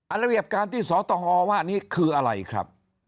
อันตรวจการณ์ที่สอต้องอ้อว่าอันนี้คืออะไรครับ